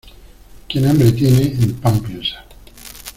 Quien hambre tiene, en pan piensa.